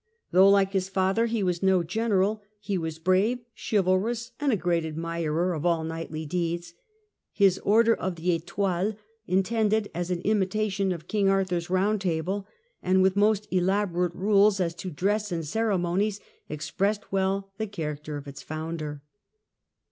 Though like his father he was no general, he was brave, chivalrous and a great admirer of all knightly deeds. His order of the Etoile, intended as an imitation of King Arthur's Round Table, and with most elaborate rules as to dress and ceremonies, expressed well the char acter of its founder.